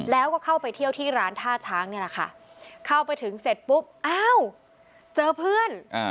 แล้วก็เข้าไปเที่ยวที่ร้านท่าช้างนี่แหละค่ะเข้าไปถึงเสร็จปุ๊บอ้าวเจอเพื่อน